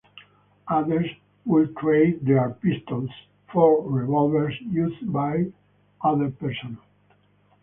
Others would trade their pistols for revolvers used by other personnel.